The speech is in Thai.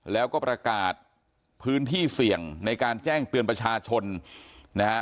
แล้วก็ประกาศพื้นที่เสี่ยงในการแจ้งเตือนประชาชนนะฮะ